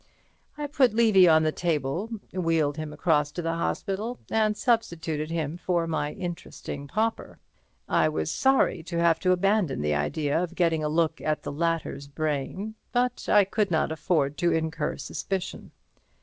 I put Levy on the table, wheeled him across to the hospital and substituted him for my interesting pauper. I was sorry to have to abandon the idea of getting a look at the latter's brain, but I could not afford to incur suspicion.